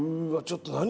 ちょっと何？